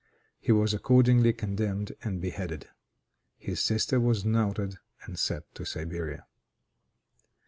He was accordingly condemned and beheaded. His sister was knouted and sent to Siberia.